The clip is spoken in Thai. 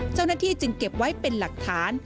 เจ้าหน้าที่จึงเก็บไว้เป็นหลักฐาน